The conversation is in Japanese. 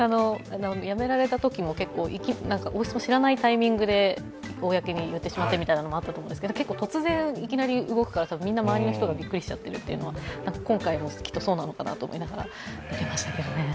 辞められたときも知らないタイミングで言ってしまってとありましたけど結構突然、いきなり動くから、みんな周りの人がびっくりしちゃってるというのは今回もきっとそうなのかなと見ていましたけどね。